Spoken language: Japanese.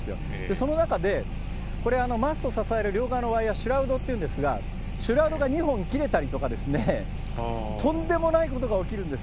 その中で、これ、マストを支える両側のワイヤー、シュラウドっていうんですが、シュラウドが２本切れたりとか、とんでもないことが起きるんです。